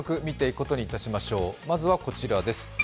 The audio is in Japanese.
まずは、こちらです。